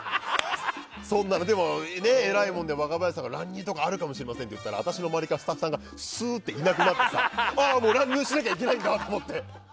でも、偉いもんで若林さんが乱入とかあるかもしれませんって言ったら周りからスタッフさんがスーッといなくなってあ、乱入しなきゃいけないんだって。